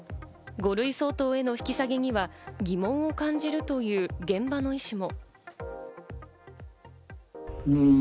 ５類相当への引き下げには疑問を感じるという現場の医師も。